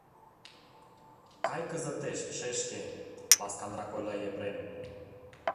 — Кай, кызытеш, шешке, — ласканрак ойла Епрем.